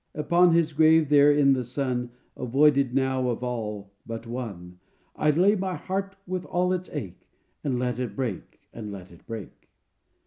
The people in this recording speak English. "Upon his grave there in the sun, Avoided now of all but one, I'd lay my heart with all its ache, And let it break, and let it break."